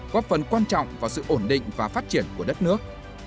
góp phần quan trọng vào sự ổn định và phát triển của đất nước